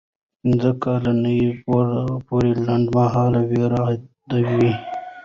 پنځه کلنۍ پورې لنډمهاله ویره عادي ده.